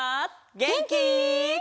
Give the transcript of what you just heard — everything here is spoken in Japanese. げんき？